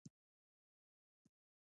زده کړه نجونو ته د نړیوالتوب فکر ورکوي.